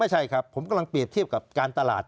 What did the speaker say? ใช่ครับผมกำลังเปรียบเทียบกับการตลาด